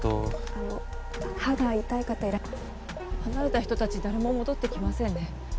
あの歯が痛い方離れた人達誰も戻ってきませんね